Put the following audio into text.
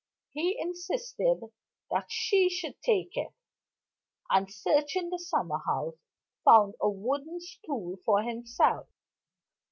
He insisted that she should take it; and, searching the summer house, found a wooden stool for himself.